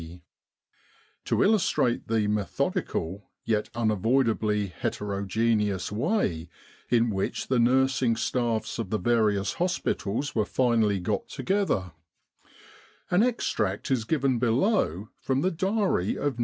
D. To illustrate the methodical, yet unavoidably heterogeneous way in which the nursing staffs of the various hospitals were finally got together, an extract is given below from the diary of No.